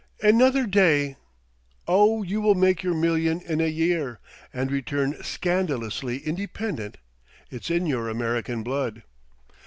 Another day " "Oh, you will make your million in a year, and return scandalously independent. It's in your American blood."